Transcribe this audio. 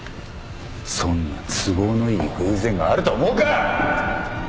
そんな都合のいい偶然があると思うか！